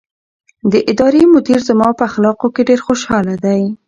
د ادارې مدیر زما په اخلاقو ډېر خوشحاله دی.